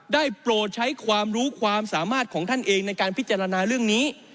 โปรดใช้ความรู้ความสามารถของท่านเองในการพิจารณาเรื่องนี้